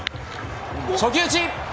初球打ち！